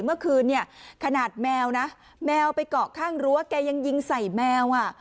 เมื่อคืนเนี่ยขนาดแมวนะแมวไปเกาะข้างรั้วแกยังยิงใส่แมวอ่ะ